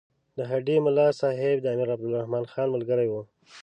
د هډې ملاصاحب د امیر عبدالرحمن خان ملګری وو.